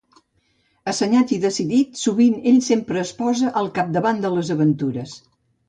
Assenyat i decidit, sovint ell sempre es posa al capdavant de les aventures.